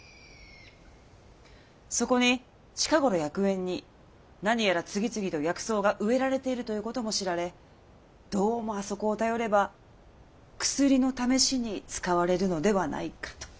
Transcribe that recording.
そこに近頃薬園に何やら次々と薬草が植えられているということも知られどうもあそこを頼れば薬の試しに使われるのではないかと。